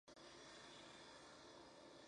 Se portan como rivales y compiten por todo.